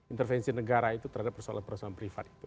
intervensi negara itu terhadap persoalan persoalan privat itu